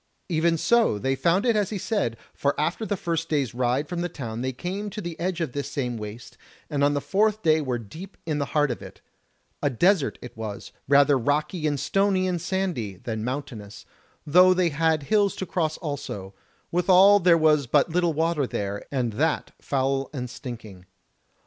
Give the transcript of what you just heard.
Even so they found it as he said; for after the first day's ride from the town they came to the edge of this same waste, and on the fourth day were deep in the heart of it: a desert it was, rather rocky and stony and sandy than mountainous, though they had hills to cross also: withal there was but little water there, and that foul and stinking.